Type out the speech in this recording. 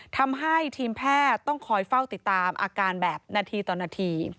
ทำให้ทีมแพทย์ต้องคอยเฝ้าติดตามอาการแบบนาทีต่อนาที